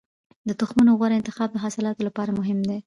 د تخمونو غوره انتخاب د حاصلاتو لپاره مهم دی.